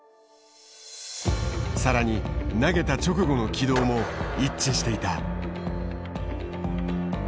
更に投げた直後の軌道も一致していた。